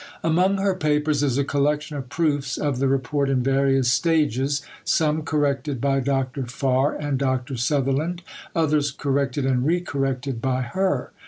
Among her papers is a collection of proofs of the Report in various stages; some corrected by Dr. Farr and Dr. Sutherland, others corrected and re corrected by her.